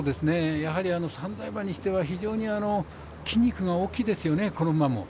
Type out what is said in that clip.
３歳馬にしては非常に筋肉が大きいですよね、この馬も。